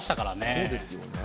そうですよね。